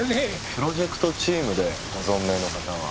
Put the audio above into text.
プロジェクトチームでご存命の方は。